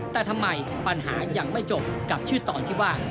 แต่ทำไมปัญหายังไม่จบกับชื่อตอนที่ว่า